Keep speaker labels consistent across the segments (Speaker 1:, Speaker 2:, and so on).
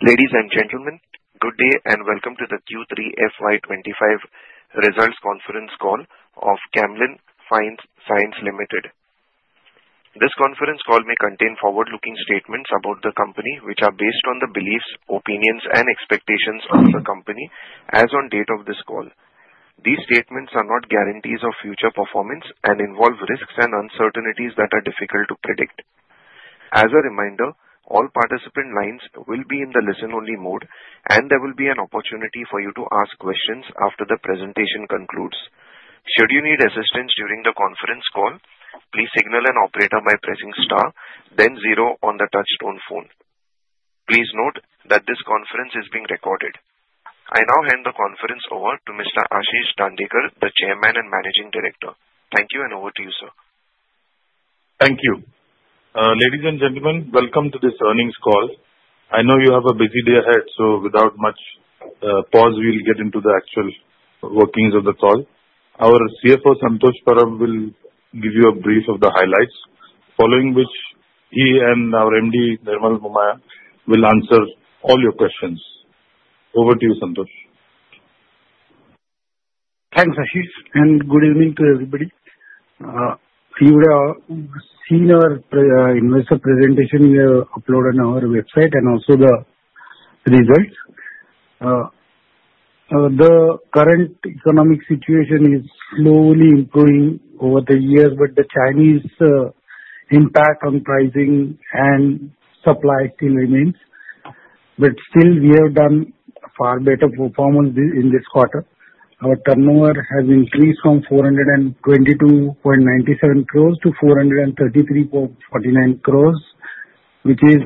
Speaker 1: Ladies and gentlemen, good day and welcome to the Q3 FY 2025 Results Conference Call of Camlin Fine Sciences Limited. This conference call may contain forward-looking statements about the company, which are based on the beliefs, opinions, and expectations of the company as on date of this call. These statements are not guarantees of future performance and involve risks and uncertainties that are difficult to predict. As a reminder, all participant lines will be in the listen-only mode, and there will be an opportunity for you to ask questions after the presentation concludes. Should you need assistance during the conference call, please signal an operator by pressing star, then zero on the touch-tone phone. Please note that this conference is being recorded. I now hand the conference over to Mr. Ashish Dandekar, the Chairman and Managing Director. Thank you, and over to you, sir.
Speaker 2: Thank you. Ladies and gentlemen, welcome to this earnings call. I know you have a busy day ahead, so without much pause, we'll get into the actual workings of the call. Our CFO, Santosh Parab, will give you a brief of the highlights, following which he and our MD, Nirmal Momaya, will answer all your questions. Over to you, Santosh.
Speaker 3: Thanks, Ashish, and good evening to everybody. You would have seen our investor presentation uploaded on our website and also the results. The current economic situation is slowly improving over the years, but the Chinese impact on pricing and supply still remains. But still, we have done a far better performance in this quarter. Our turnover has increased from 422.97 crore to 433.49 crore, which is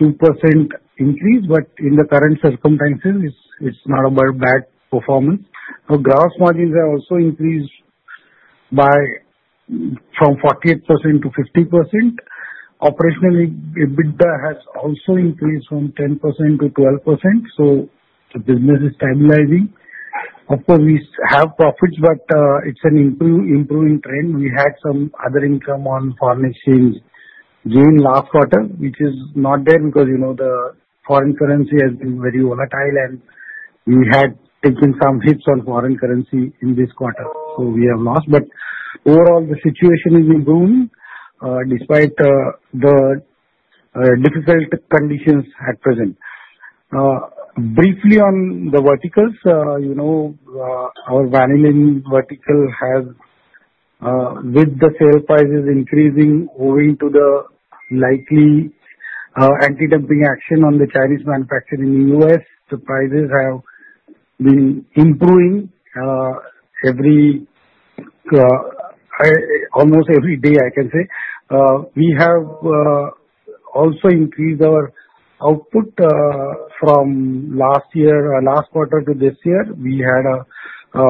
Speaker 3: a 2% increase, but in the current circumstances, it's not a bad performance. Our gross margins have also increased from 48%-50%. Operational EBITDA has also increased from 10%-12%, so the business is stabilizing. Of course, we have profits, but it's an improving trend. We had some other income on foreign exchange gain last quarter, which is not there because the foreign currency has been very volatile, and we had taken some hits on foreign currency in this quarter, so we have lost. But overall, the situation is improving despite the difficult conditions at present. Briefly on the verticals, our vanillin vertical has, with the sale prices increasing, moving to the likely anti-dumping action on the Chinese manufacturer in the U.S., the prices have been improving almost every day, I can say. We have also increased our output from last quarter to this year. We had a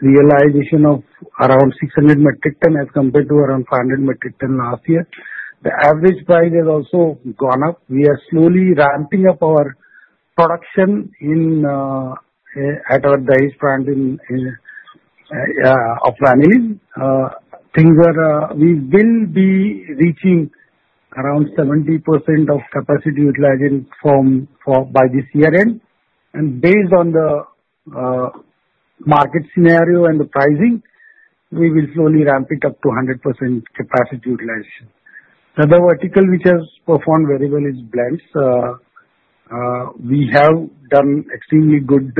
Speaker 3: realization of around 600 metric tons as compared to around 500 metric tons last year. The average price has also gone up. We are slowly ramping up our production at our Dahej plant of vanillin. We will be reaching around 70% of capacity utilization by this year end and based on the market scenario and the pricing, we will slowly ramp it up to 100% capacity utilization. Another vertical which has performed very well is blends. We have done extremely good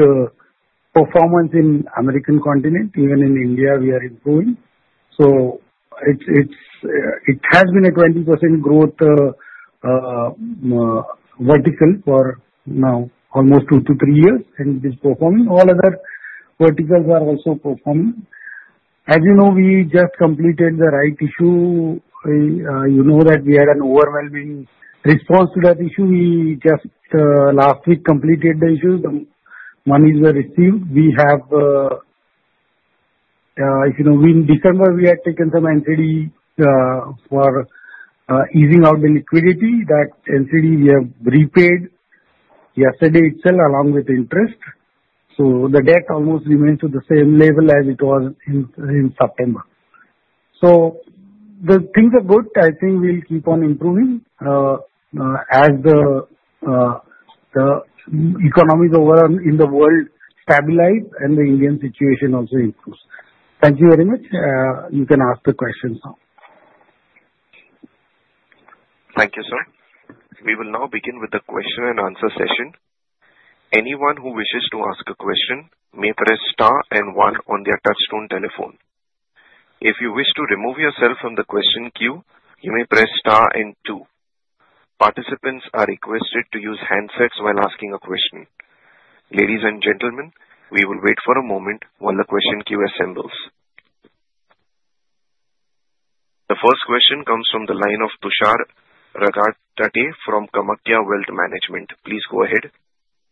Speaker 3: performance in the American continent. Even in India, we are improving, so it has been a 20% growth vertical for now almost two to three years, and it is performing. All other verticals are also performing. As you know, we just completed the rights issue. You know that we had an overwhelming response to that issue. We just last week completed the issue. The monies were received. We have, if you know, in December, we had taken some NCD for easing out the liquidity. That NCD, we have repaid yesterday itself along with interest. So the debt almost remains at the same level as it was in September. So the things are good. I think we'll keep on improving as the economies over in the world stabilize and the Indian situation also improves. Thank you very much. You can ask the questions now.
Speaker 1: Thank you, sir. We will now begin with the question and answer session. Anyone who wishes to ask a question may press star and one on their touch-tone telephone. If you wish to remove yourself from the question queue, you may press star and two. Participants are requested to use handsets while asking a question. Ladies and gentlemen, we will wait for a moment while the question queue assembles. The first question comes from the line of Tushar Raghatate from Kamakhya Wealth Management. Please go ahead.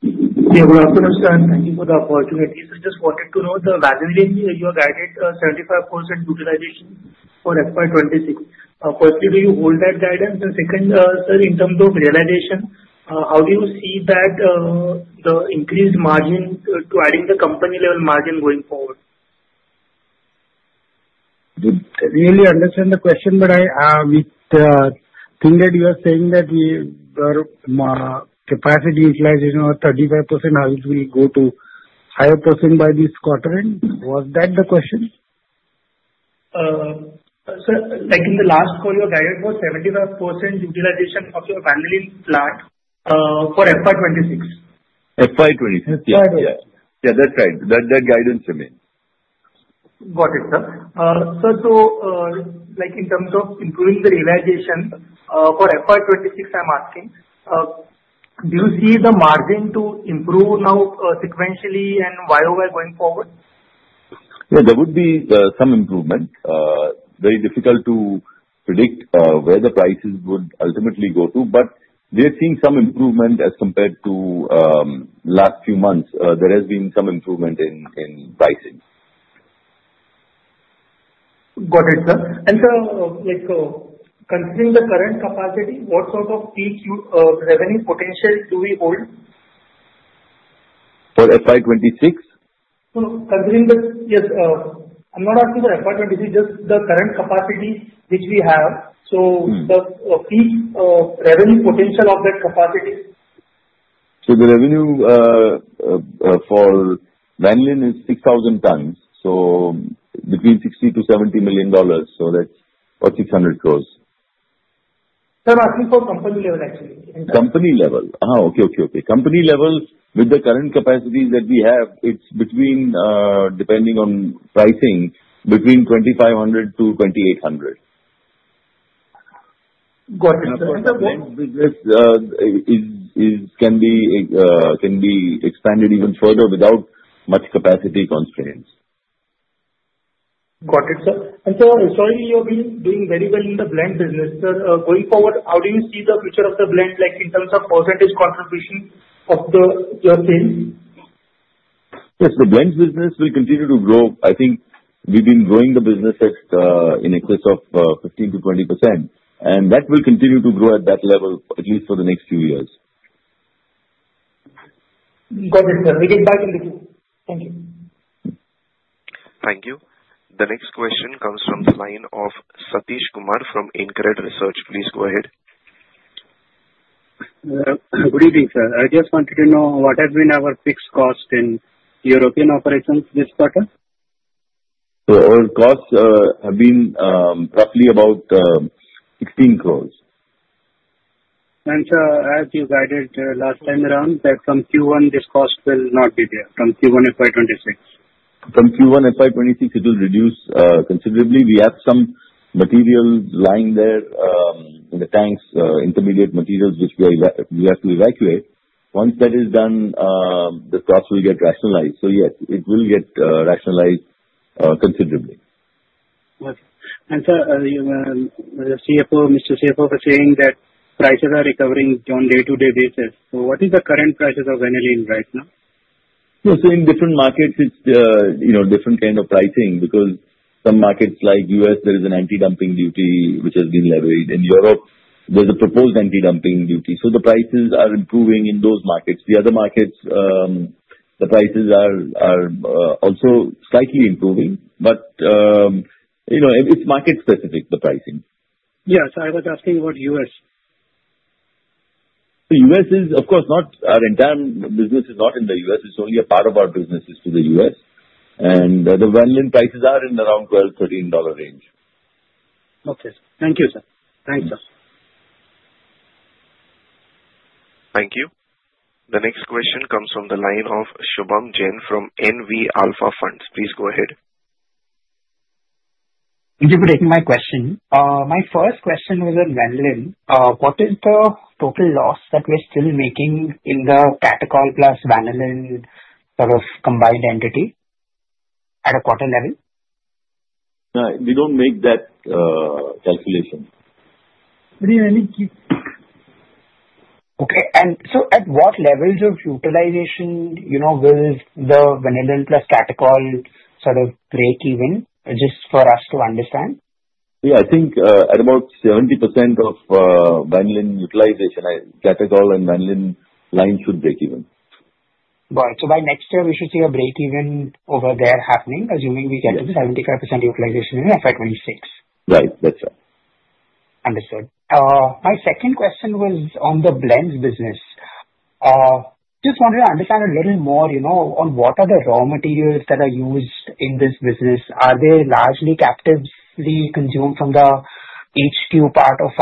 Speaker 4: Yeah, good afternoon, sir. Thank you for the opportunity. I just wanted to know the vanillin you have guided 75% utilization for FY 2026. Firstly, do you hold that guidance? And second, sir, in terms of realization, how do you see that the increased margin to adding the company-level margin going forward?
Speaker 3: I didn't really understand the question, but I think that you are saying that your capacity utilization of 35% will go to higher % by this quarter. Was that the question?
Speaker 4: Sir, in the last call, you guided for 75% utilization of your vanillin plant for FY 2026.
Speaker 5: FY 2026, yes.
Speaker 4: FY 2026.
Speaker 5: Yeah, that's right. That guidance remains.
Speaker 4: Got it, sir. Sir, so in terms of improving the realization for FY 2026, I'm asking, do you see the margin to improve now sequentially and why over going forward?
Speaker 5: Yeah, there would be some improvement. Very difficult to predict where the prices would ultimately go to, but we are seeing some improvement as compared to last few months. There has been some improvement in pricing.
Speaker 4: Got it, sir. And sir, considering the current capacity, what sort of peak revenue potential do we hold?
Speaker 5: For FY 2026?
Speaker 4: No, yes, I'm not asking for FY 2026, just the current capacity which we have. So the peak revenue potential of that capacity?
Speaker 5: The revenue for vanillin is 6,000 tons, so between $60 million-$70 million. That's about 600 crore.
Speaker 4: Sir, I'm asking for company level, actually.
Speaker 5: Company level. Company level, with the current capacities that we have, it's between, depending on pricing, between 2,500 to 2,800.
Speaker 4: Got it, sir.
Speaker 5: The blend business can be expanded even further without much capacity constraints.
Speaker 4: Got it, sir. And sir, historically, you have been doing very well in the blend business. Sir, going forward, how do you see the future of the blend in terms of percentage contribution of your team?
Speaker 5: Yes, the blend business will continue to grow. I think we've been growing the business in excess of 15%-20%, and that will continue to grow at that level, at least for the next few years.
Speaker 4: Got it, sir. We get back in a bit. Thank you.
Speaker 1: Thank you. The next question comes from the line of Satish Kumar from InCred Research. Please go ahead.
Speaker 6: Good evening, sir. I just wanted to know what has been our fixed cost in European operations this quarter?
Speaker 5: Our costs have been roughly about 16 crore.
Speaker 6: Sir, as you guided last time around, that from Q1, this cost will not be there from Q1 FY 2026?
Speaker 5: From Q1 FY 2026, it will reduce considerably. We have some materials lying there in the tanks, intermediate materials which we have to evacuate. Once that is done, the costs will get rationalized. So yes, it will get rationalized considerably.
Speaker 6: Got it. And sir, Mr. CFO was saying that prices are recovering on a day-to-day basis. So what is the current prices of vanillin right now?
Speaker 5: Yes, in different markets, it's different kinds of pricing because some markets like the U.S., there is an anti-dumping duty which has been leveraged. In Europe, there's a proposed anti-dumping duty. So the prices are improving in those markets. The other markets, the prices are also slightly improving, but it's market-specific, the pricing.
Speaker 6: Yes, I was asking about the U.S.
Speaker 5: The U.S. is, of course, not our entire business. It is not in the U.S. It's only a part of our business to the U.S. And the vanillin prices are around $12-$13 range.
Speaker 3: Okay. Thank you, sir. Thanks, sir.
Speaker 1: Thank you. The next question comes from the line of Shubham Jain from NV Alpha Fund. Please go ahead.
Speaker 7: Thank you for taking my question. My first question was on vanillin. What is the total loss that we're still making in the catechol plus vanillin sort of combined entity at a quarter level?
Speaker 5: We don't make that calculation.
Speaker 7: Okay. And so at what levels of utilization will the vanillin plus catechol sort of break even just for us to understand?
Speaker 5: Yeah, I think at about 70% of vanillin utilization, catechol and vanillin lines should break even.
Speaker 7: Got it. So by next year, we should see a breakeven over there happening, assuming we get to 75% utilization in FY 2026.
Speaker 5: Right. That's right.
Speaker 7: Understood. My second question was on the blends business. Just wanted to understand a little more on what are the raw materials that are used in this business? Are they largely captively consumed from the HQ part of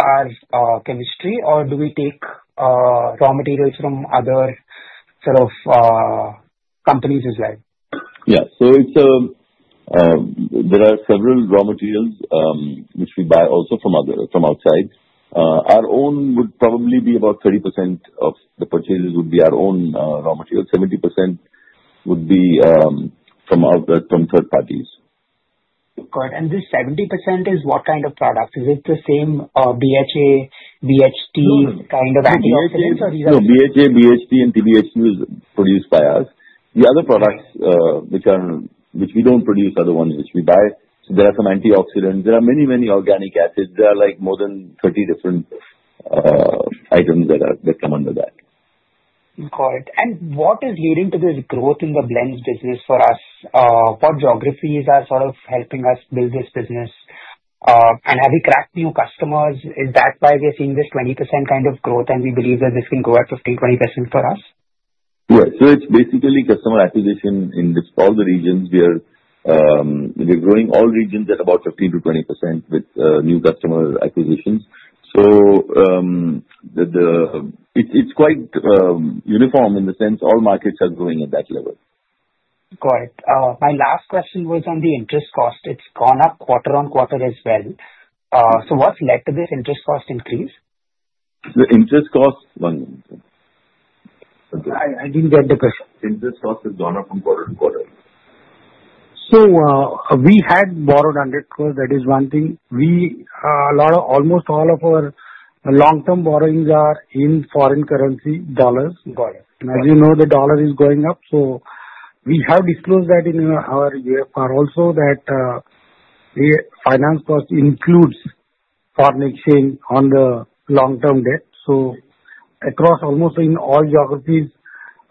Speaker 7: our chemistry, or do we take raw materials from other sort of companies as well?
Speaker 5: Yeah. So there are several raw materials which we buy also from outside. Our own would probably be about 30% of the purchases would be our own raw materials. 70% would be from third parties.
Speaker 7: Got it. And this 70% is what kind of products? Is it the same BHA, BHT kind of antioxidants, or these are?
Speaker 5: No, BHA, BHT, and TBHQ is produced by us. The other products which we don't produce, other ones which we buy, there are some antioxidants. There are many, many organic acids. There are more than 30 different items that come under that.
Speaker 7: Got it. And what is leading to this growth in the blends business for us? What geographies are sort of helping us build this business? And have we cracked new customers? Is that why we're seeing this 20% kind of growth, and we believe that this can grow at 15%-20% for us?
Speaker 5: Yes. So it's basically customer acquisition in all the regions where we're growing all regions at about 15%-20% with new customer acquisitions. So it's quite uniform in the sense all markets are growing at that level.
Speaker 7: Got it. My last question was on the interest cost. It's gone up quarter on quarter as well. So what's led to this interest cost increase?
Speaker 5: The interest cost. One moment.
Speaker 3: I didn't get the question.
Speaker 5: Interest cost has gone up from quarter to quarter.
Speaker 3: We had borrowed 100 crore. That is one thing. Almost all of our long-term borrowings are in foreign currency, dollars. And as you know, the dollar is going up. We have disclosed that in our UFR also that the finance cost includes foreign exchange on the long-term debt. Across almost in all geographies,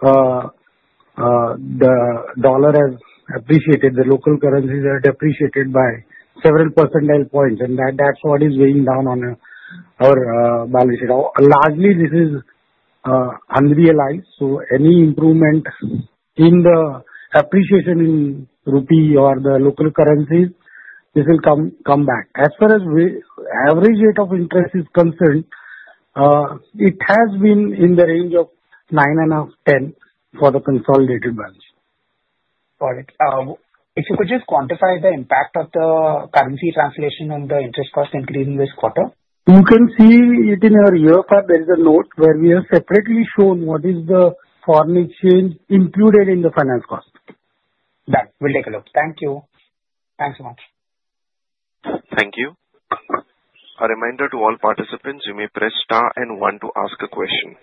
Speaker 3: the dollar has appreciated. The local currencies are depreciated by several percentage points. And that's what is weighing down on our balance sheet. Largely, this is unrealized. Any improvement in the appreciation in rupee or the local currencies, this will come back. As far as average rate of interest is concerned, it has been in the range of nine and a half-10 for the consolidated balance sheet.
Speaker 7: Got it. If you could just quantify the impact of the currency translation on the interest cost increase in this quarter?
Speaker 3: You can see it in our UFR. There is a note where we have separately shown what is the foreign exchange included in the finance cost.
Speaker 7: Done. We'll take a look. Thank you. Thanks so much.
Speaker 1: Thank you. A reminder to all participants, you may press star and one to ask a question.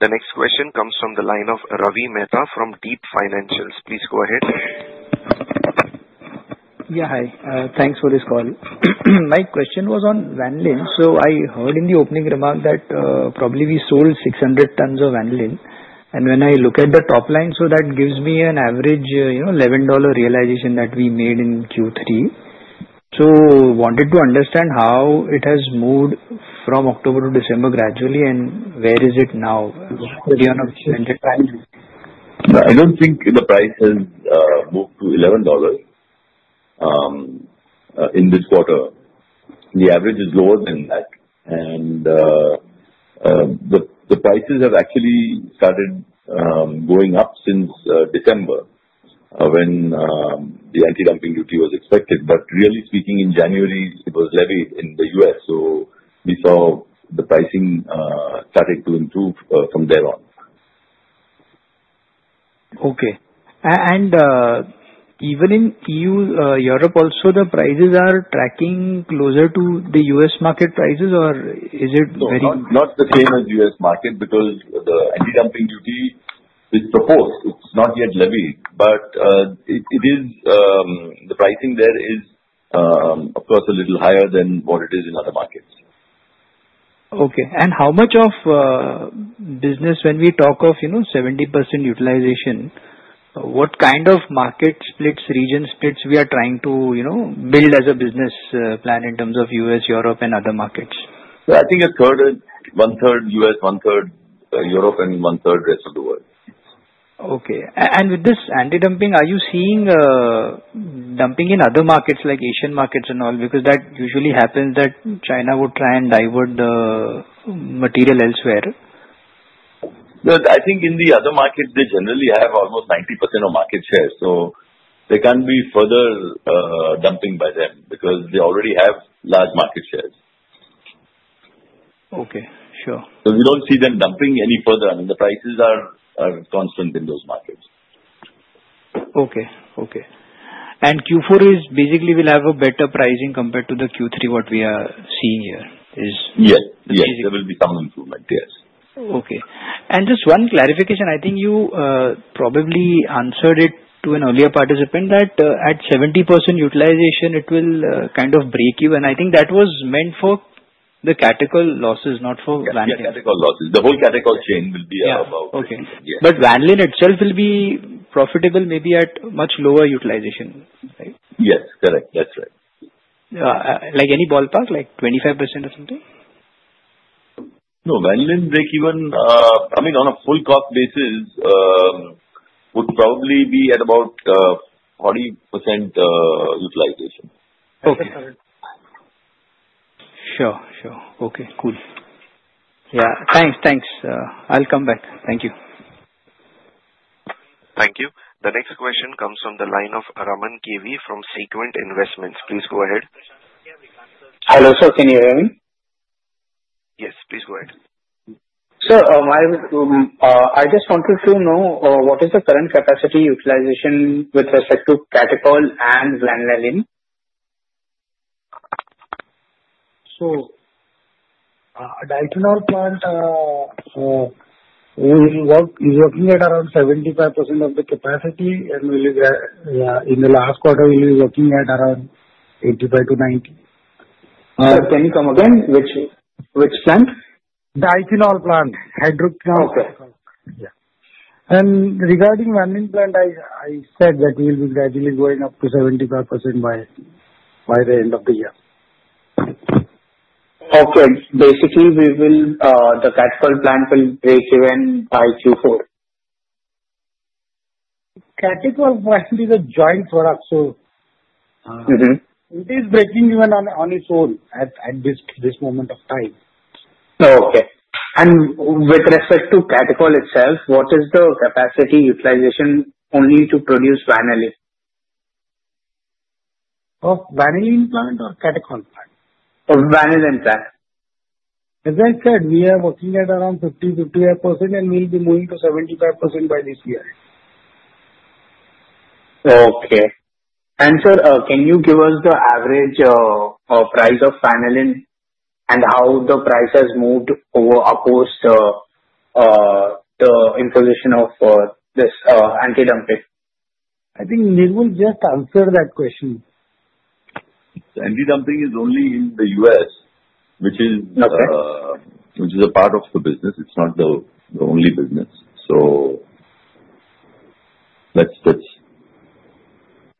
Speaker 1: The next question comes from the line of Ravi Mehta from Deep Financials. Please go ahead.
Speaker 8: Yeah, hi. Thanks for this call. My question was on vanillin. So I heard in the opening remark that probably we sold 600 tons of vanillin. And when I look at the top line, so that gives me an average $11 realization that we made in Q3. So I wanted to understand how it has moved from October to December gradually and where is it now?
Speaker 5: I don't think the price has moved to $11 in this quarter. The average is lower than that. And the prices have actually started going up since December when the anti-dumping duty was expected. But really speaking, in January, it was levied in the U.S. So we saw the pricing started to improve from there on.
Speaker 8: Okay, and even in EU, Europe, also the prices are tracking closer to the U.S. market prices, or is it very?
Speaker 5: Not the same as U.S. market because the anti-dumping duty is proposed. It's not yet levied. But the pricing there is, of course, a little higher than what it is in other markets.
Speaker 8: Okay. And how much of business when we talk of 70% utilization, what kind of market splits, region splits we are trying to build as a business plan in terms of U.S., Europe, and other markets?
Speaker 5: I think a third, 1/3 U.S., 1/3 Europe, and 1/3 rest of the world.
Speaker 8: Okay. And with this anti-dumping, are you seeing dumping in other markets like Asian markets and all? Because that usually happens that China would try and divert the material elsewhere.
Speaker 5: I think in the other markets, they generally have almost 90% of market share. So there can't be further dumping by them because they already have large market shares.
Speaker 8: Okay. Sure.
Speaker 5: So we don't see them dumping any further. I mean, the prices are constant in those markets.
Speaker 8: Okay. Q4 is basically will have a better pricing compared to the Q3, what we are seeing here is?
Speaker 5: Yes. There will be some improvement, yes.
Speaker 8: Okay. And just one clarification. I think you probably answered it to an earlier participant that at 70% utilization, it will kind of break even. I think that was meant for the catechol losses, not for vanillin.
Speaker 5: Yes, catechol losses. The whole catechol chain will be about.
Speaker 8: Okay. But vanillin itself will be profitable maybe at much lower utilization, right?
Speaker 5: Yes. Correct. That's right.
Speaker 8: Like any ballpark, like 25% or something?
Speaker 5: No, vanillin break even, I mean, on a full cost basis, would probably be at about 40% utilization.
Speaker 8: Okay. Sure. Okay. Cool. Yeah. Thanks. I'll come back. Thank you.
Speaker 1: Thank you. The next question comes from the line of Raman KV from Sequent Investments. Please go ahead.
Speaker 9: Hello, sir. Can you hear me?
Speaker 1: Yes. Please go ahead.
Speaker 9: Sir, I just wanted to know what is the current capacity utilization with respect to catechol and vanillin?
Speaker 3: Diphenol plant is working at around 75% of the capacity, and in the last quarter, we were working at around 85%-90%.
Speaker 9: Sir, can you come again? Which plant?
Speaker 3: Diphenol plant. Hydroquinone.
Speaker 9: Okay.
Speaker 3: Yeah. And regarding vanillin plant, I said that we'll be gradually going up to 75% by the end of the year.
Speaker 9: Okay. Basically, the catechol plant will break even by Q4?
Speaker 3: Catechol must be the joint product. So it is breaking even on its own at this moment of time.
Speaker 9: Okay, and with respect to catechol itself, what is the capacity utilization only to produce vanillin?
Speaker 3: Oh, vanillin plant or catechol plant?
Speaker 9: Vanillin plant.
Speaker 3: As I said, we are working at around 50%-55%, and we'll be moving to 75% by this year.
Speaker 9: Okay. And sir, can you give us the average price of vanillin and how the price has moved across the imposition of this anti-dumping?
Speaker 3: I think Nirmal just answered that question.
Speaker 5: Anti-dumping is only in the U.S., which is a part of the business. It's not the only business. So that's it.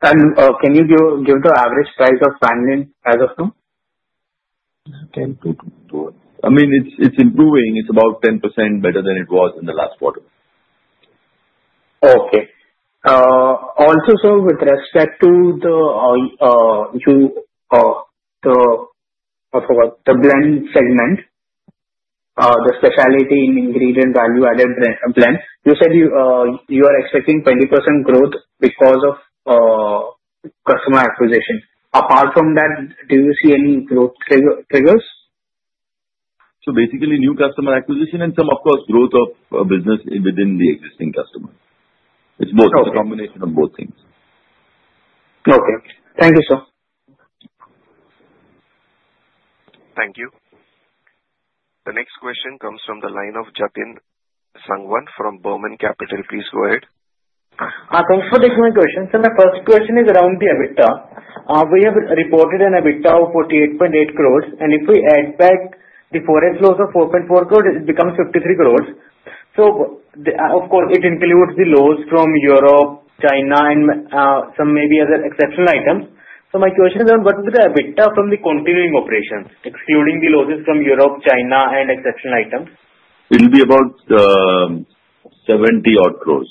Speaker 9: Can you give the average price of vanillin as of now?
Speaker 5: I mean, it's improving. It's about 10% better than it was in the last quarter.
Speaker 9: Okay. Also, sir, with respect to the blends segment, the specialty ingredient value-added blends, you said you are expecting 20% growth because of customer acquisition. Apart from that, do you see any growth triggers?
Speaker 5: Basically, new customer acquisition and some, of course, growth of business within the existing customer. It's both, a combination of both things.
Speaker 9: Okay. Thank you, sir.
Speaker 1: Thank you. The next question comes from the line of Jatin Sangwan from Burman Capital. Please go ahead.
Speaker 10: Thanks for taking my question. So my first question is around the EBITDA. We have reported an EBITDA of 48.8 crore. And if we add back the forex loss of 4.4 crore, it becomes 53 crore. So of course, it includes the loss from Europe, China, and some maybe other exceptional items. So my question is around what is the EBITDA from the continuing operations, excluding the losses from Europe, China, and exceptional items?
Speaker 5: It'll be about 70 odd crore.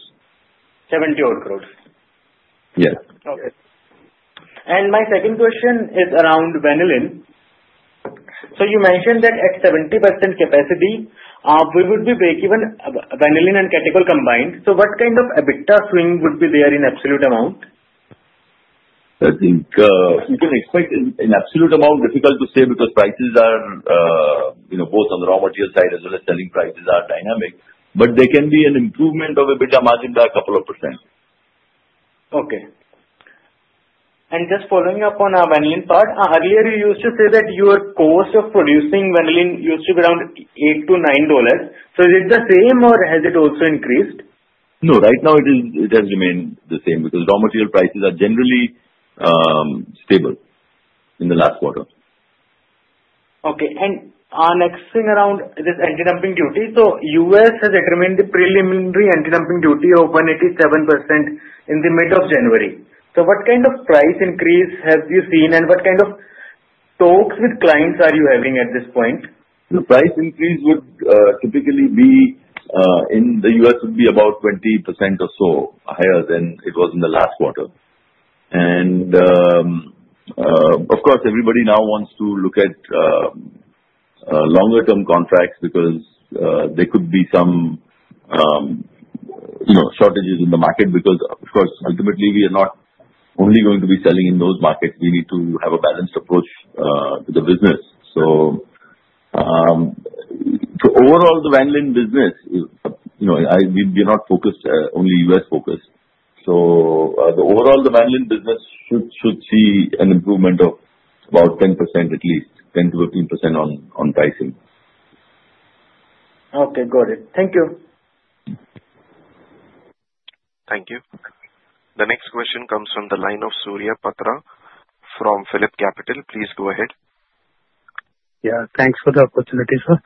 Speaker 10: 70 odd crore.
Speaker 5: Yes.
Speaker 10: Okay. And my second question is around vanillin. So you mentioned that at 70% capacity, we would be break even vanillin and catechol combined. So what kind of EBITDA swing would be there in absolute amount?
Speaker 5: I think. You can expect in absolute amount, difficult to say because prices are both on the raw material side as well as selling prices are dynamic, but there can be an improvement of EBITDA margin by a couple of percent.
Speaker 10: Okay. And just following up on vanillin part, earlier you used to say that your cost of producing vanillin used to be around $8-$9. So is it the same, or has it also increased?
Speaker 5: No. Right now, it has remained the same because raw material prices are generally stable in the last quarter.
Speaker 10: Okay. And our next thing around this anti-dumping duty. So the U.S. has determined the preliminary anti-dumping duty of 187% in the mid of January. So what kind of price increase have you seen, and what kind of talks with clients are you having at this point?
Speaker 5: The price increase would typically be in the U.S. would be about 20% or so higher than it was in the last quarter. And of course, everybody now wants to look at longer-term contracts because there could be some shortages in the market because, of course, ultimately, we are not only going to be selling in those markets. We need to have a balanced approach to the business. So overall, the vanillin business, we are not focused only U.S.-focused. So overall, the vanillin business should see an improvement of about 10% at least, 10%-15% on pricing.
Speaker 10: Okay. Got it. Thank you.
Speaker 1: Thank you. The next question comes from the line of Surya Patra from PhillipCapital. Please go ahead.
Speaker 11: Yeah. Thanks for the opportunity, sir.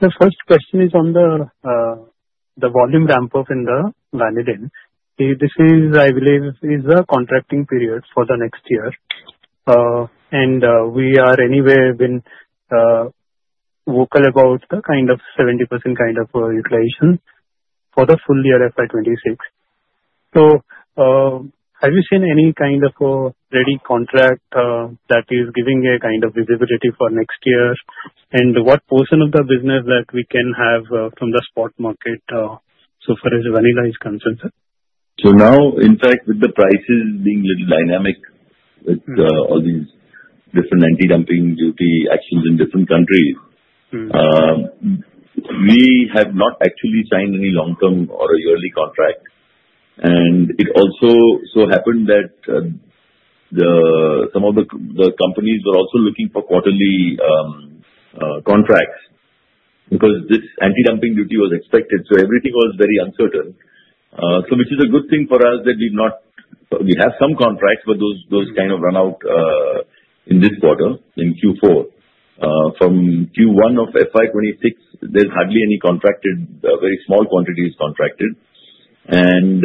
Speaker 11: The first question is on the volume ramp-up in the vanillin. This is, I believe, the contracting period for the next year. And we are anyway being vocal about the kind of 70% kind of utilization for the full year FY 2026. So have you seen any kind of ready contract that is giving a kind of visibility for next year? And what portion of the business that we can have from the spot market, so far as vanillin is concerned?
Speaker 5: So now, in fact, with the prices being a little dynamic with all these different anti-dumping duty actions in different countries, we have not actually signed any long-term or a yearly contract. And it also so happened that some of the companies were also looking for quarterly contracts because this anti-dumping duty was expected. So everything was very uncertain. So which is a good thing for us that we have some contracts, but those kind of run out in this quarter, in Q4. From Q1 of FY 2026, there's hardly any contracted, very small quantities contracted. And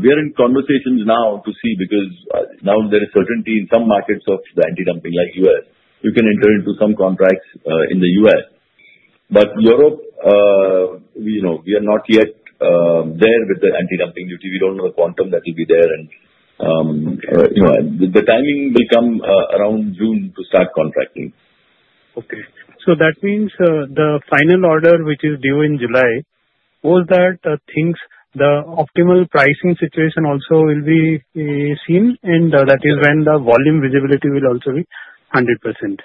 Speaker 5: we are in conversations now to see because now there is certainty in some markets of the anti-dumping like U.S. You can enter into some contracts in the U.S. But Europe, we are not yet there with the anti-dumping duty. We don't know the quantum that will be there. The timing will come around June to start contracting.
Speaker 11: Okay. So that means the final order, which is due in July, was that the optimal pricing situation also will be seen, and that is when the volume visibility will also be 100%?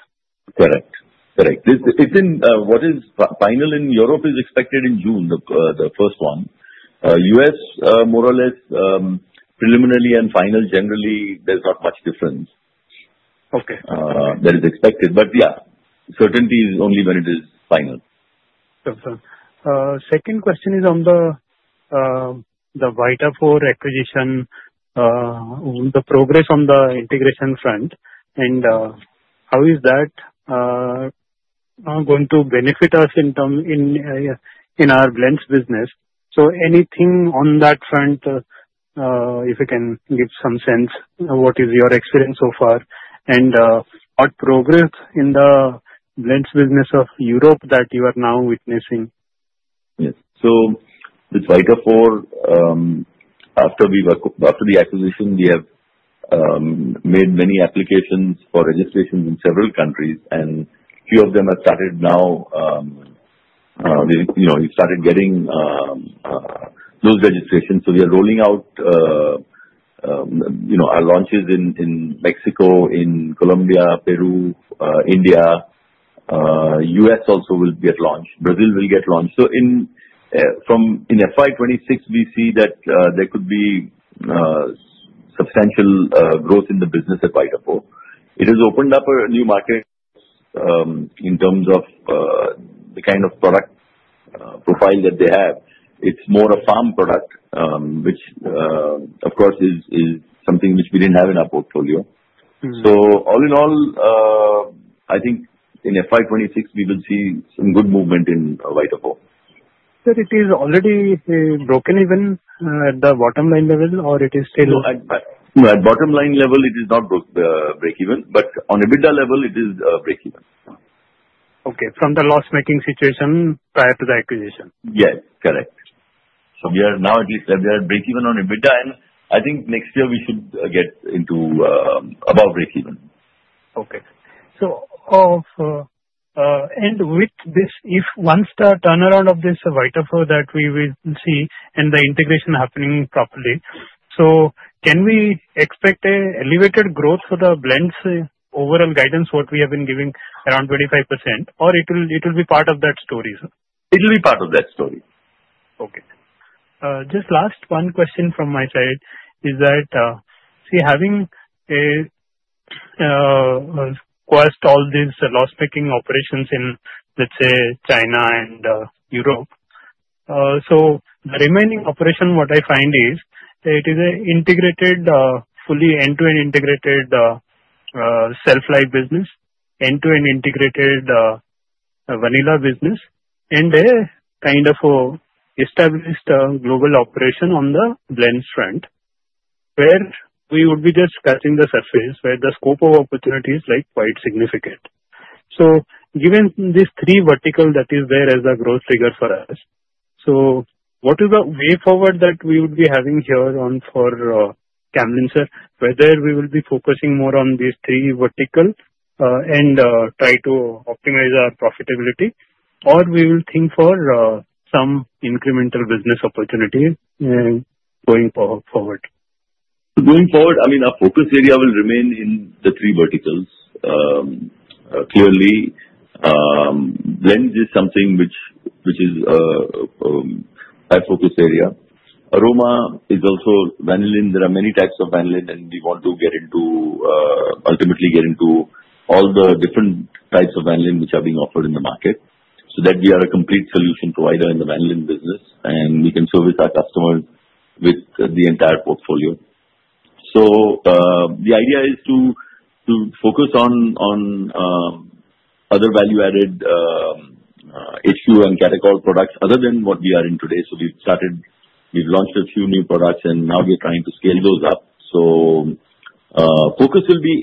Speaker 5: Correct. Correct. What is final in Europe is expected in June, the first one. U.S., more or less, preliminary and final, generally, there's not much difference that is expected. But yeah, certainty is only when it is final.
Speaker 11: Second question is on the Vitafor acquisition, the progress on the integration front, and how is that going to benefit us in our blends business? So anything on that front, if you can give some sense, what is your experience so far, and what progress in the blends business of Europe that you are now witnessing?
Speaker 5: Yes. So with Vitafor, after the acquisition, we have made many applications for registrations in several countries, and a few of them have started now. We've started getting those registrations. So we are rolling out our launches in Mexico, in Colombia, Peru, India. U.S. also will get launched. Brazil will get launched. So from FY 2026, we see that there could be substantial growth in the business at Vitafor. It has opened up a new market in terms of the kind of product profile that they have. It's more a farm product, which, of course, is something which we didn't have in our portfolio. So all in all, I think in FY 2026, we will see some good movement in Vitafor.
Speaker 11: So it is already broken even at the bottom line level, or it is still?
Speaker 5: No. At bottom line level, it is not break even. But on EBITDA level, it is break even.
Speaker 11: Okay. From the loss-making situation prior to the acquisition?
Speaker 5: Yes. Correct. So now, at least, we are breakeven on EBITDA, and I think next year, we should get into above breakeven.
Speaker 11: Okay and with this, if once the turnaround of this Vitafor that we will see and the integration happening properly, so can we expect an elevated growth for the blends overall guidance, what we have been giving around 25%, or it will be part of that story?
Speaker 5: It'll be part of that story.
Speaker 11: Okay. Just last one question from my side is that, see, having quashed all these loss-making operations in, let's say, China and Europe, so the remaining operation, what I find is it is an integrated, fully end-to-end integrated shelf-life business, end-to-end integrated vanillin business, and a kind of established global operation on the blends front, where we would be just scratching the surface, where the scope of opportunity is quite significant. So given these three verticals that is there as a growth trigger for us, so what is the way forward that we would be having here for Camlin, sir? Whether we will be focusing more on these three verticals and try to optimize our profitability, or we will think for some incremental business opportunities going forward?
Speaker 5: Going forward, I mean, our focus area will remain in the three verticals. Clearly, blends is something which is our focus area. Aroma is also vanillin. There are many types of vanillin, and we want to ultimately get into all the different types of vanillin which are being offered in the market so that we are a complete solution provider in the vanillin business, and we can service our customers with the entire portfolio. So the idea is to focus on other value-added HQ and catechol products other than what we are in today. So we've launched a few new products, and now we're trying to scale those up. So focus will be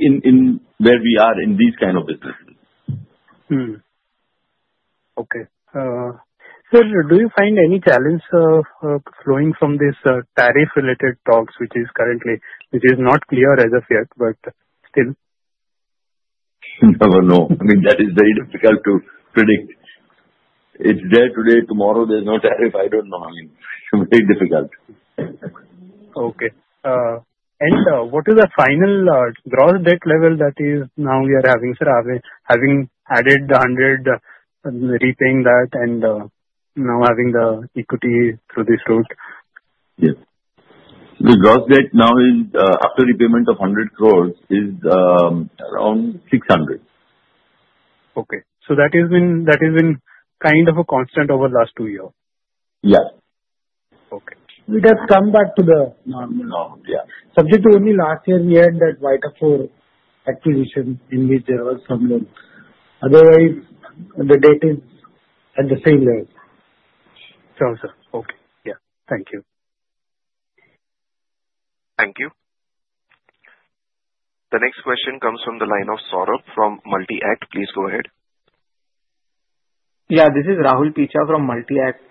Speaker 5: where we are in these kind of businesses.
Speaker 11: Okay. Sir, do you find any challenge flowing from this tariff-related talks, which is not clear as of yet, but still?
Speaker 5: No. I mean, that is very difficult to predict. It's there today. Tomorrow, there's no tariff. I don't know. I mean, very difficult.
Speaker 11: Okay. And what is the final gross debt level that is now we are having, sir, having added the 100, repaying that, and now having the equity through this route?
Speaker 5: Yes. The gross debt now, after repayment of 100 crore, is around 600 crore.
Speaker 11: Okay, so that has been kind of a constant over the last two years?
Speaker 5: Yes.
Speaker 3: Okay. We just come back to the normal.
Speaker 5: Normal. Yeah.
Speaker 3: Except for only last year, we had that Vitafor acquisition in which there was some growth. Otherwise, the debt is at the same level.
Speaker 5: So, sir.
Speaker 11: Okay. Yeah. Thank you.
Speaker 1: Thank you. The next question comes from the line of Saurabh from Multi-Act. Please go ahead.
Speaker 12: Yeah. This is Rahul Picha from Multi-Act.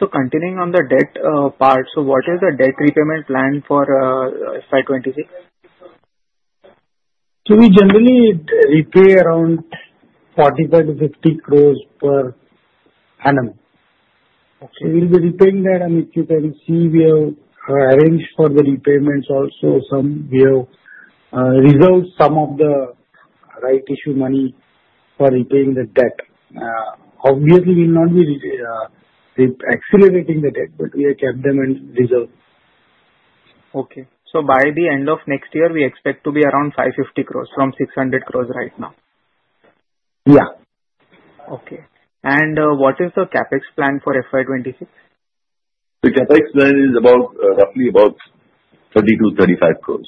Speaker 12: So continuing on the debt part, so what is the debt repayment plan for FY 2026?
Speaker 3: So we generally repay around 45 crore-50 crore per annum. So we'll be repaying that. And if you can see, we have arranged for the repayments also some. We have reserved some of the rights issue money for repaying the debt. Obviously, we will not be accelerating the debt, but we have kept them in reserve.
Speaker 12: Okay, so by the end of next year, we expect to be around 550 crore from 600 crore right now?
Speaker 3: Yeah.
Speaker 12: Okay, and what is the CapEx plan for FY 2026?
Speaker 5: The CapEx plan is roughly about 30 crore-35 crore.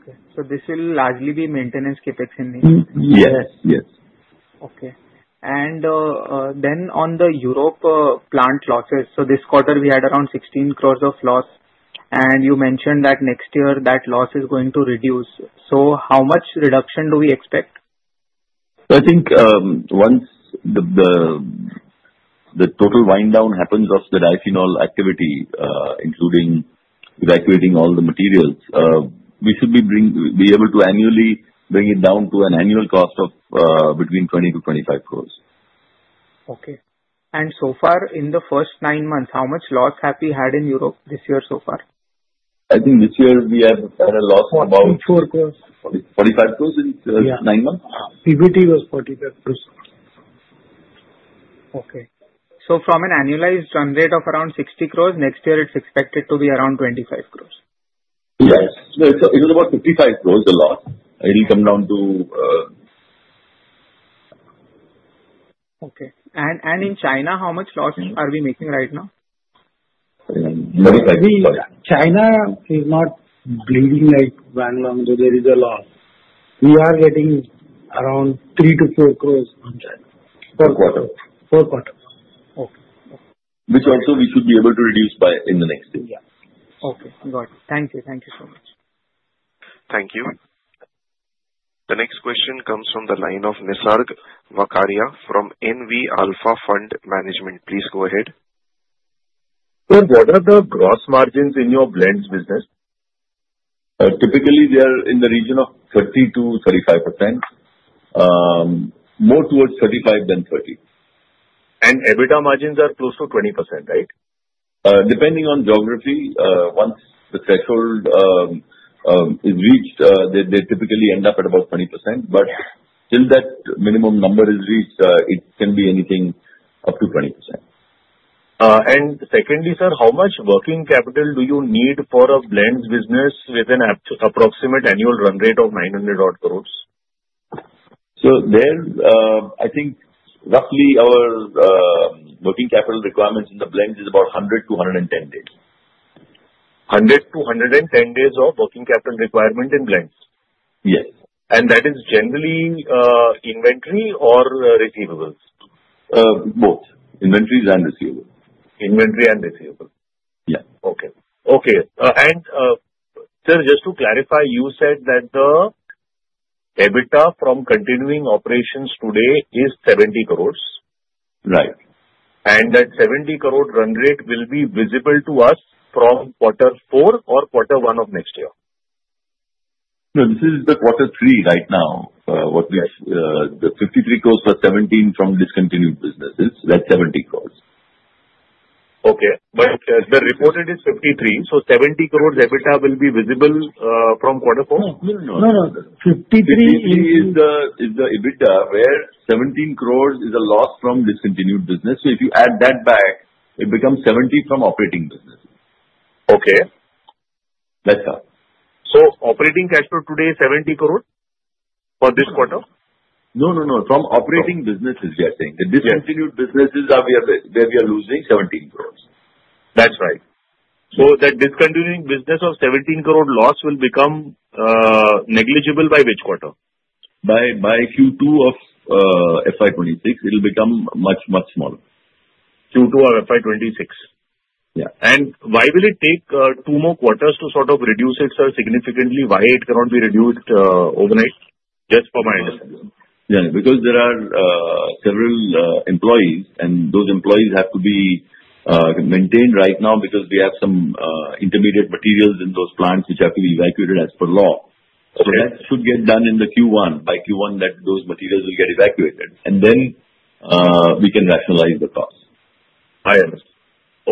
Speaker 12: Okay. So this will largely be maintenance CapEx in the year?
Speaker 5: Yes. Yes.
Speaker 12: Okay. And then on the Europe plant losses, so this quarter, we had around 16 crore of loss, and you mentioned that next year, that loss is going to reduce. So how much reduction do we expect?
Speaker 5: I think once the total wind-down happens of the diphenol activity, including evacuating all the materials, we should be able to annually bring it down to an annual cost of between 20 crore-25 crore.
Speaker 12: Okay. And so far, in the first nine months, how much loss have we had in Europe this year so far?
Speaker 5: I think this year, we have had a loss of about.
Speaker 3: 44 crore.
Speaker 5: 45 crore in nine months?
Speaker 3: PAT was 45 crore.
Speaker 12: Okay. So from an annualized run rate of around 60 crore, next year, it's expected to be around 25 crore?
Speaker 5: Yes. It was about 55 crore a loss. It'll come down to.
Speaker 12: Okay. And in China, how much loss are we making right now?
Speaker 5: INR 45 crore.
Speaker 3: China is not bleeding like Wanglong, so there is a loss. We are getting around 3 crore-4 crore on China.
Speaker 5: Per quarter.
Speaker 3: Per quarter.
Speaker 12: Okay. Okay.
Speaker 5: Which also we should be able to reduce by in the next year.
Speaker 3: Yeah.
Speaker 12: Okay. Got it. Thank you. Thank you so much.
Speaker 1: Thank you. The next question comes from the line of Nisarg Vakharia from NV Alpha Fund Management. Please go ahead.
Speaker 13: Sir, what are the gross margins in your blends business?
Speaker 5: Typically, they are in the region of 30%-35%, more towards 35% than 30%.
Speaker 13: And EBITDA margins are close to 20%, right?
Speaker 5: Depending on geography, once the threshold is reached, they typically end up at about 20%. But till that minimum number is reached, it can be anything up to 20%.
Speaker 13: And secondly, sir, how much working capital do you need for a blends business with an approximate annual run rate of 900-odd crore?
Speaker 5: So there, I think roughly our working capital requirements in the blends is about 100-110 days.
Speaker 4: 100-110 days of working capital requirement in blends?
Speaker 5: Yes.
Speaker 13: That is generally inventory or receivables?
Speaker 5: Both. Inventories and receivables.
Speaker 13: Inventory and receivables.
Speaker 5: Yeah.
Speaker 13: Okay. And sir, just to clarify, you said that the EBITDA from continuing operations today is 70 crore?
Speaker 5: Right.
Speaker 13: That 70 crore run rate will be visible to us from Q4 or Q1 of next year?
Speaker 5: No, this is the quarter three right now. The 53 crore were 17 crore from discontinued businesses. That's 70 crore.
Speaker 13: Okay. But the reported is 53. So 70 crore EBITDA will be visible from Q4?
Speaker 5: No, no, no. 53 is the EBITDA, where 17 crore is a loss from discontinued business. So if you add that back, it becomes 70 from operating businesses.
Speaker 13: Okay.
Speaker 5: That's how.
Speaker 13: So operating cash flow today is INR 70 crore for this quarter?
Speaker 5: No, no, no. From operating businesses, we are saying. The discontinued businesses are where we are losing 17 crore.
Speaker 13: That's right. So that discontinuing business of 17 crore loss will become negligible by which quarter?
Speaker 5: By Q2 of FY 2026, it'll become much, much smaller.
Speaker 13: Q2 of FY 2026.
Speaker 5: Yeah.
Speaker 13: And why will it take two more quarters to sort of reduce itself significantly? Why it cannot be reduced overnight? Just for my understanding.
Speaker 5: Yeah. Because there are several employees, and those employees have to be maintained right now because we have some intermediate materials in those plants which have to be evacuated as per law. So that should get done in the Q1. By Q1, those materials will get evacuated, and then we can rationalize the cost.
Speaker 13: I understand.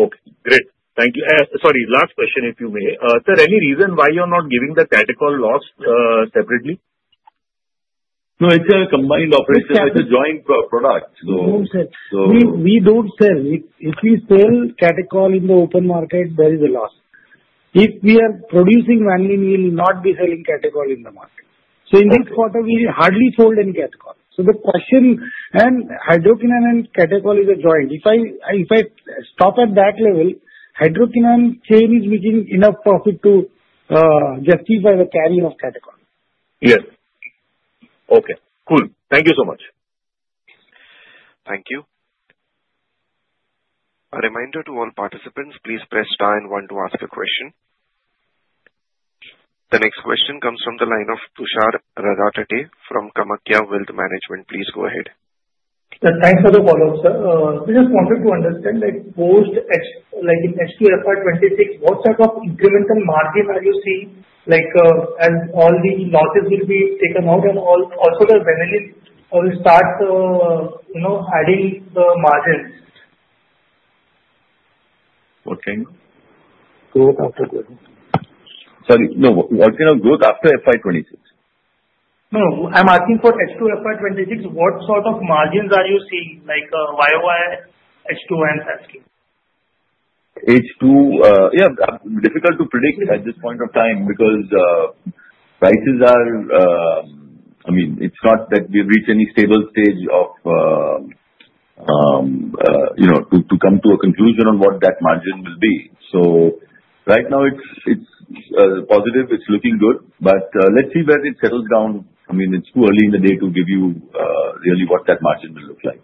Speaker 13: Okay. Great. Thank you. Sorry, last question, if you may. Sir, any reason why you're not giving the catechol loss separately?
Speaker 5: No, it's a combined operation. It's a joint product. So.
Speaker 3: We don't sell. If we sell catechol in the open market, there is a loss. If we are producing vanillin, we'll not be selling catechol in the market. So in this quarter, we hardly sold any catechol. So the question and hydroquinone and catechol is a joint. If I stop at that level, hydroquinone chain is making enough profit to justify the carry of catechol.
Speaker 13: Yes. Okay. Cool. Thank you so much.
Speaker 1: Thank you. A reminder to all participants, please press star and one to ask a question. The next question comes from the line of Tushar Raghatate from Kamakhya Wealth Management. Please go ahead.
Speaker 4: Thanks for the follow-up, sir. We just wanted to understand post HQ FY 2026, what sort of incremental margin are you seeing as all the losses will be taken out and also the vanillin will start adding the margin?
Speaker 5: Okay. Sorry. No, what kind of growth after FY 2026?
Speaker 4: No, I'm asking for H2 FY 2026. What sort of margins are you seeing like YoY, H2, and SASK?
Speaker 5: H2, yeah, difficult to predict at this point of time because prices are. I mean, it's not that we've reached any stable stage of to come to a conclusion on what that margin will be. So right now, it's positive. It's looking good. But let's see where it settles down. I mean, it's too early in the day to give you really what that margin will look like.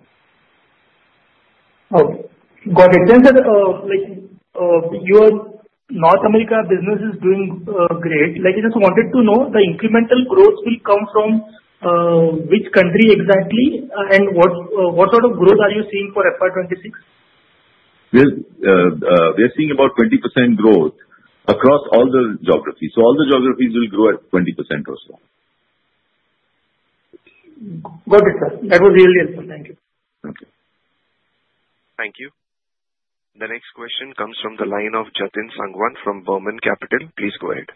Speaker 4: Okay. Got it. Then, sir, your North America business is doing great. I just wanted to know the incremental growth will come from which country exactly and what sort of growth are you seeing for FY 2026?
Speaker 5: We are seeing about 20% growth across all the geographies. So all the geographies will grow at 20% or so.
Speaker 4: Got it, sir. That was really helpful. Thank you.
Speaker 5: Okay.
Speaker 1: Thank you. The next question comes from the line of Jatin Sangwan from Burman Capital. Please go ahead.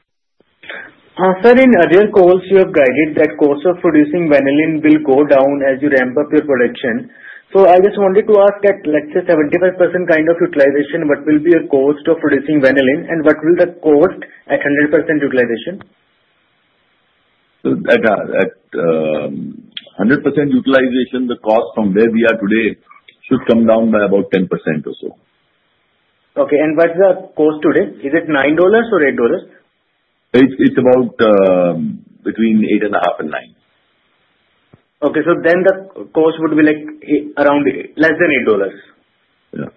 Speaker 10: Sir, in earlier calls, you have guided that cost of producing vanillin will go down as you ramp up your production. So I just wanted to ask at, let's say, 75% kind of utilization, what will be your cost of producing vanillin and what will the cost at 100% utilization?
Speaker 5: At 100% utilization, the cost from where we are today should come down by about 10% or so.
Speaker 10: Okay, and what's the cost today? Is it $9 or $8?
Speaker 5: It's about between 8.5 and 9.
Speaker 10: Okay. So then the cost would be around less than $8?
Speaker 5: Yeah.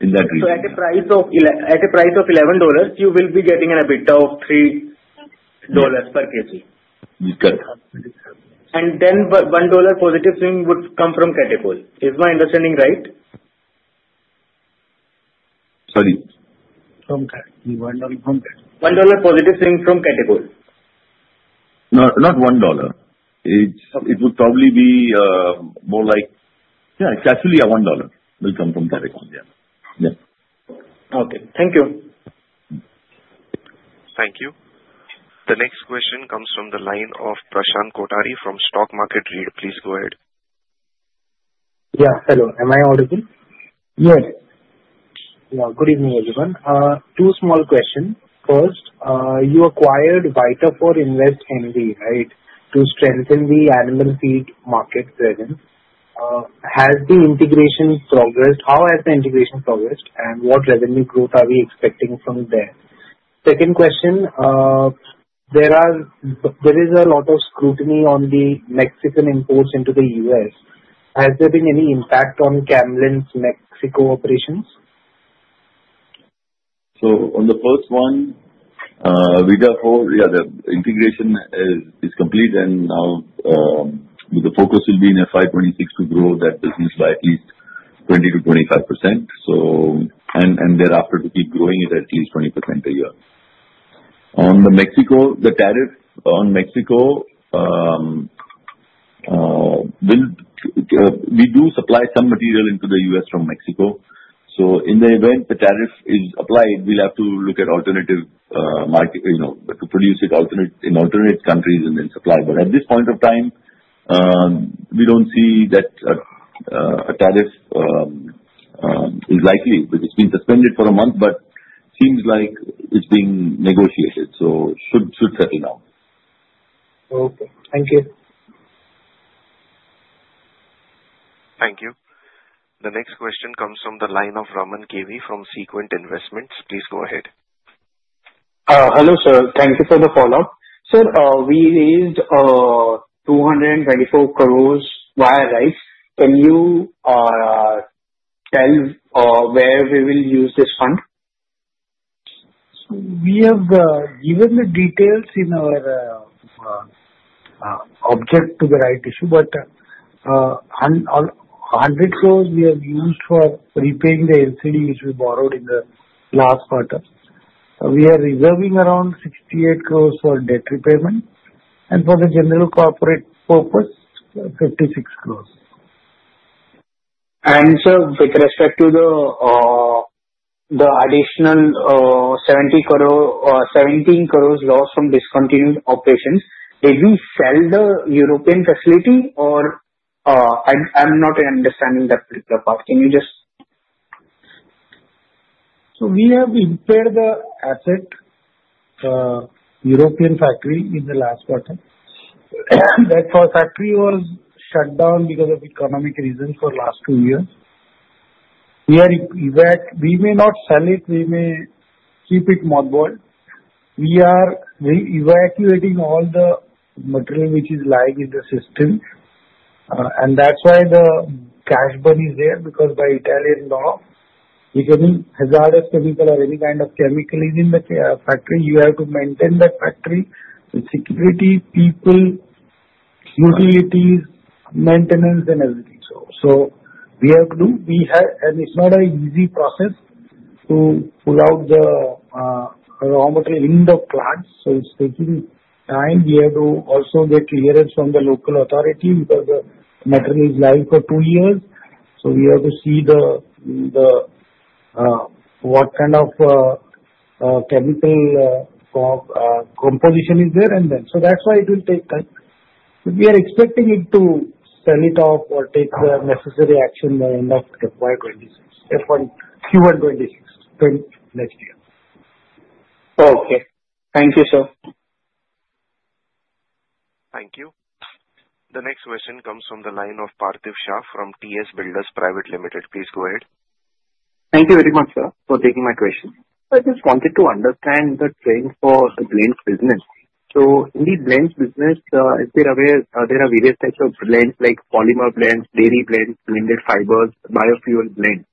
Speaker 5: In that region.
Speaker 10: So at a price of $11, you will be getting an EBITDA of $3 per case?
Speaker 5: Correct.
Speaker 10: And then $1 positive swing would come from catechol. Is my understanding right?
Speaker 5: Sorry.
Speaker 10: From catechol. $1 positive swing from catechol?
Speaker 5: Not $1. It would probably be more like yeah, it's actually a $1 will come from catechol. Yeah.
Speaker 10: Okay. Thank you.
Speaker 1: Thank you. The next question comes from the line of Prashant Kothari from Stock Market Read. Please go ahead.
Speaker 14: Yeah. Hello. Am I audible?
Speaker 3: Yes.
Speaker 14: Yeah. Good evening, everyone. Two small questions. First, you acquired Vitafor Invest NV, right, to strengthen the animal feed market presence. Has the integration progressed? How has the integration progressed and what revenue growth are we expecting from there? Second question, there is a lot of scrutiny on the Mexican imports into the U.S. Has there been any impact on Camlin's Mexico operations?
Speaker 5: On the first one, Vitafor, yeah, the integration is complete, and now the focus will be in FY 2026 to grow that business by at least 20%-25%, and thereafter to keep growing it at least 20% a year. On Mexico, the tariff on Mexico, we do supply some material into the U.S. from Mexico. So in the event the tariff is applied, we'll have to look at alternatives to produce it in alternate countries and then supply. But at this point of time, we don't see that a tariff is likely. It's been suspended for a month, but seems like it's being negotiated. So should settle now.
Speaker 14: Okay. Thank you.
Speaker 1: Thank you. The next question comes from the line of Raman KV from Sequent Investments. Please go ahead.
Speaker 9: Hello, sir. Thank you for the follow-up. Sir, we raised 224 crore via rights issue. Can you tell where we will use this fund?
Speaker 3: We have given the details in our objects to the rights issue, but 100 crore we have used for repaying the NCD which we borrowed in the last quarter. We are reserving around 68 crore for debt repayment and for the general corporate purpose, 56 crore.
Speaker 9: Sir, with respect to the additional 17 crore lost from discontinued operations, did we sell the European facility or I'm not understanding that particular part? Can you just?
Speaker 3: So we have repaired the asset, European factory in the last quarter. That factory was shut down because of economic reasons for the last two years. We may not sell it. We may keep it mothballed. We are evacuating all the material which is lying in the system. And that's why the cash burn is there because by Italian law, if any hazardous chemical or any kind of chemical is in the factory, you have to maintain that factory with security, people, utilities, maintenance, and everything. So we have to do and it's not an easy process to pull out the raw material in the plant. So it's taking time. We have to also get clearance from the local authority because the material is lying for two years. So we have to see what kind of chemical composition is there and then. So that's why it will take time. We are expecting it to sell it off or take the necessary action by end of FY 2026, Q1 2026, next year.
Speaker 9: Okay. Thank you, sir.
Speaker 1: Thank you. The next question comes from the line of Parthiv Shah from Tracom Stock Brokers Private Limited. Please go ahead.
Speaker 15: Thank you very much, sir, for taking my question. I just wanted to understand the trend for blends business. So in the blends business, there are various types of blends like polymer blends, dairy blends, blended fibers, biofuel blends.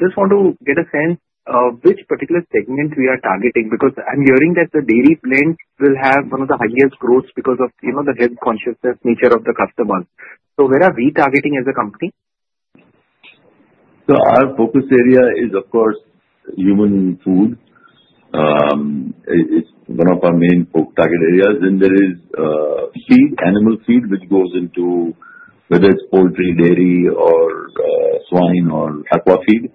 Speaker 15: Just want to get a sense of which particular segment we are targeting because I'm hearing that the dairy blends will have one of the highest growths because of the health consciousness nature of the customers. So where are we targeting as a company?
Speaker 5: So our focus area is, of course, human food. It's one of our main target areas. Then there is feed, animal feed, which goes into whether it's poultry, dairy, or swine, or aqua feed.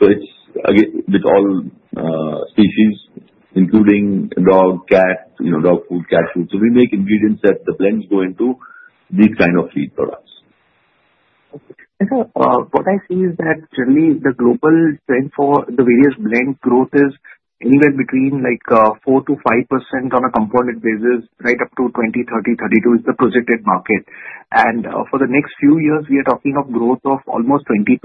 Speaker 5: So it's with all species, including dog, cat, dog food, cat food. So we make ingredients that the blends go into these kind of feed products.
Speaker 15: Okay. What I see is that generally, the global trend for the various blend growth is anywhere between 4%-5% on a compounded basis, right up to 20, 30, 32 is the projected market. And for the next few years, we are talking of growth of almost 20%.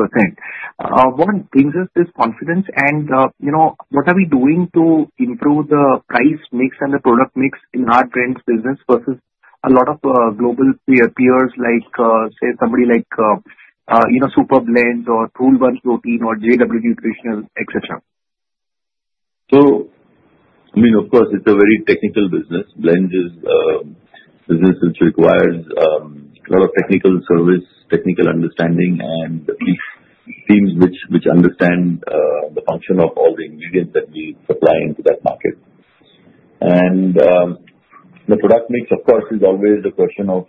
Speaker 15: What brings us this confidence? And what are we doing to improve the price mix and the product mix in our blends business versus a lot of global peers like, say, somebody like Super Blends or Pool One Protein or JW Nutritional, etc.?
Speaker 5: So I mean, of course, it's a very technical business. Blends is a business which requires a lot of technical service, technical understanding, and teams which understand the function of all the ingredients that we supply into that market. And the product mix, of course, is always a question of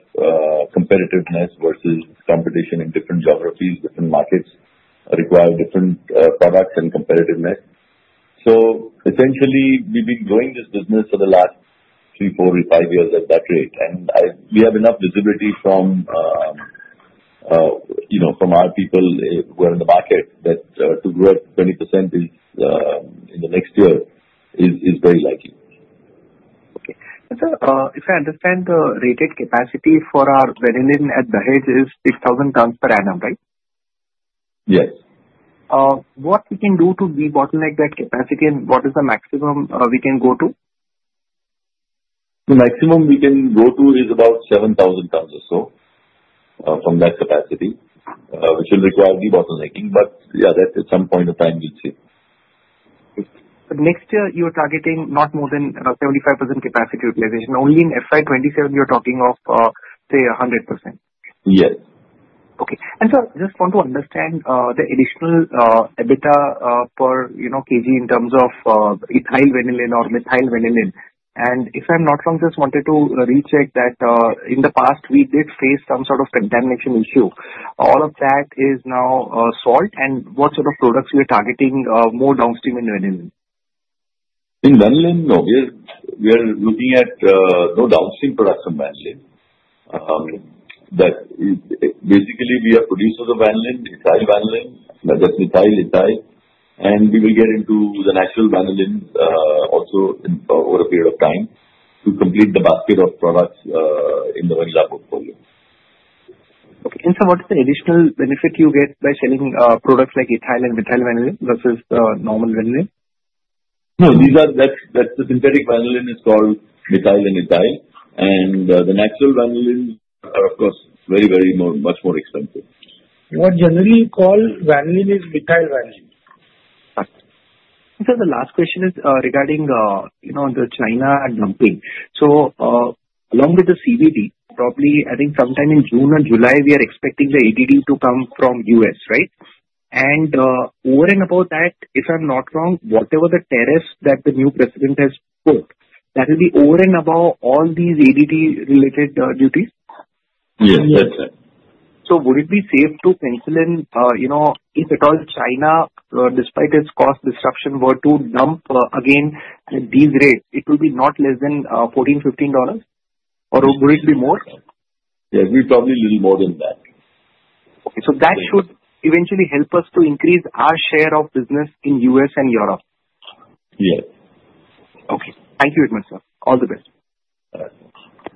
Speaker 5: competitiveness versus competition in different geographies, different markets require different products and competitiveness. So essentially, we've been growing this business for the last three, four, or five years at that rate. And we have enough visibility from our people who are in the market that to grow at 20% in the next year is very likely.
Speaker 15: Okay. And, sir, if I understand, the rated capacity for our vanillin at Dahej is 6,000 tons per annum, right?
Speaker 5: Yes.
Speaker 15: What we can do to de-bottleneck that capacity and what is the maximum we can go to?
Speaker 5: The maximum we can go to is about 7,000 tons or so from that capacity, which will require de-bottlenecking. But yeah, that's at some point of time, we'll see.
Speaker 15: So next year, you're targeting not more than 75% capacity utilization. Only in FY 2027, you're talking of, say, 100%?
Speaker 5: Yes.
Speaker 15: Okay. And sir, I just want to understand the additional EBITDA per kg in terms of ethyl vanillin or methyl vanillin. And if I'm not wrong, just wanted to recheck that in the past, we did face some sort of contamination issue. All of that is now sorted. And what sort of products you are targeting more downstream in vanillin?
Speaker 5: In vanillin, no. We are looking at no downstream products from vanillin. Basically, we are producers of vanillin, ethyl vanillin, that's methyl, ethyl. And we will get into the natural vanillin also over a period of time to complete the basket of products in the vanilla portfolio.
Speaker 15: Okay. And, sir, what is the additional benefit you get by selling products like ethyl and methyl vanillin versus normal vanillin?
Speaker 5: No, that's the synthetic vanillin is called methyl and ethyl, and the natural vanillin are, of course, very, very much more expensive.
Speaker 15: What generally you call vanillin is methyl vanillin. Sir, the last question is regarding the China dumping. Along with the CVD, probably I think sometime in June or July, we are expecting the ADD to come from U.S., right? Over and above that, if I'm not wrong, whatever the tariffs that the new president has put, that will be over and above all these ADD-related duties?
Speaker 5: Yes, that's right.
Speaker 15: So would it be safe to pencil in if at all China, despite its cost disruption, were to dump again at these rates, it will be not less than $14, $15? Or would it be more?
Speaker 5: Yes, we're probably a little more than that.
Speaker 15: Okay, so that should eventually help us to increase our share of business in U.S. and Europe.
Speaker 5: Yes.
Speaker 15: Okay. Thank you very much, sir. All the best.
Speaker 5: All right.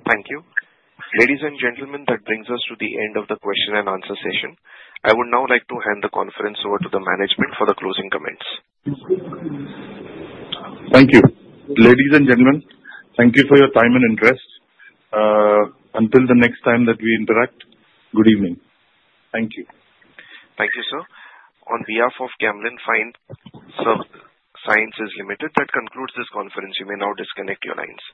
Speaker 1: Thank you. Ladies and gentlemen, that brings us to the end of the question and answer session. I would now like to hand the conference over to the management for the closing comments.
Speaker 2: Thank you. Ladies and gentlemen, thank you for your time and interest. Until the next time that we interact, good evening. Thank you.
Speaker 1: Thank you, sir. On behalf of Camlin Fine Sciences Limited, that concludes this conference. You may now disconnect your lines.